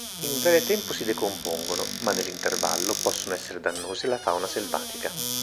In breve tempo si decompongono ma nell’intervallo possono essere dannosi alla fauna selvatica.